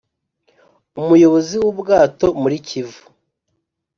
umuyobozi w’ubwato muri kivu